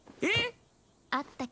えっ？